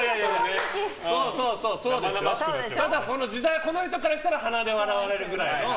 ただ、この人らからしたら鼻で笑われるぐらいの。